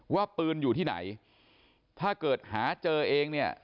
ว่าปืนอยู่ที่ไหนถ้าเกิดหาเจอเองเนี่ย